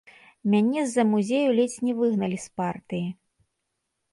Мяне з-за музею ледзь не выгналі з партыі.